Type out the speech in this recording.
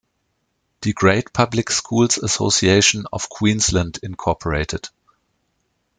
Die Great Public Schools Association of Queensland Inc.